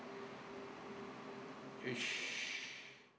よし。